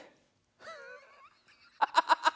ハハハハハハハ。